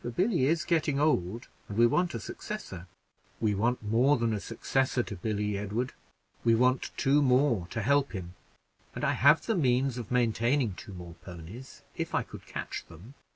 For Billy is getting old, and we want a successor." "We want more than a successor to Billy, Edward: we want two more to help him and I have the means of maintaining two more ponies if I could catch them."